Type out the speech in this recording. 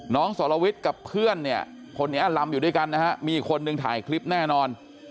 สรวิทย์กับเพื่อนเนี่ยคนนี้ลำอยู่ด้วยกันนะฮะมีคนหนึ่งถ่ายคลิปแน่นอน